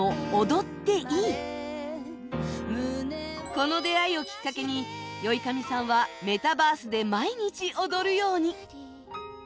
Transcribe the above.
この出会いをきっかけに ｙｏｉｋａｍｉ さんはメタバースで毎日踊るように